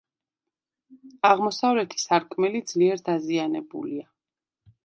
აღმოსავლეთი სარკმელი ძლიერ დაზიანებულია.